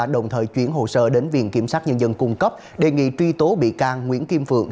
đồng thời chuyển hồ sơ đến viện kiểm sát nhân dân cung cấp đề nghị truy tố bị can nguyễn kim phượng